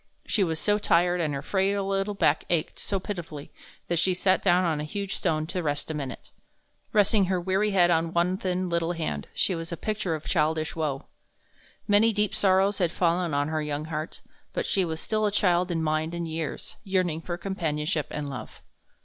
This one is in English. She was so tired, and her frail little back ached so pitifully, that she sat down on a huge stone to rest a minute. Resting her weary head on one thin little hand, she was a picture of childish woe. Many deep sorrows had fallen on her young heart, but she was still a child in mind and years, yearning for companionship and love.